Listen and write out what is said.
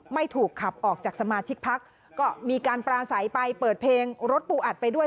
ไม่ถูกขับออกจากสมาชิกพักก็มีการปราศัยไปเปิดเพลงรถปูอัดไปด้วย